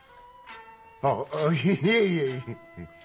あいえいえいえ。